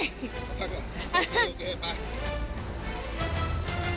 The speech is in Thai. โอเคไป